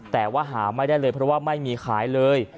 แต่ว่าหาไม่ได้เลยเพราะว่าไม่มีขายเลย